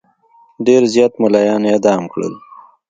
ډېر زیات مُلایان اعدام کړل.